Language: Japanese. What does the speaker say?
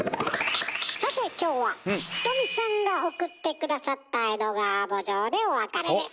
さて今日はひとみさんが送って下さった「江戸川慕情」でお別れです。